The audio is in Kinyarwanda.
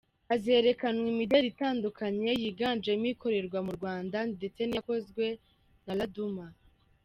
Hazerekanwa imideli itandukanye yiganjemo ikorerwa mu Rwanda ndetse n’iyakozwe na Laduma.